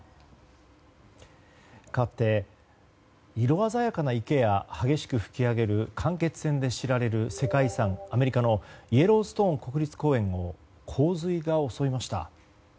かわって、色鮮やかな池や激しく噴き上げる間欠泉で知られる世界遺産、アメリカのイエローストーン国立公園を洪水が襲いました。